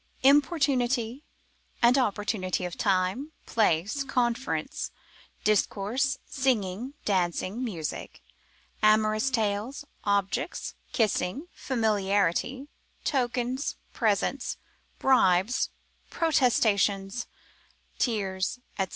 —_Importunity and Opportunity of Time, Place, Conference, Discourse, Singing, Dancing, Music, Amorous Tales, Objects, Kissing, Familiarity, Tokens, Presents, Bribes, Promises, Protestations, Tears, &c.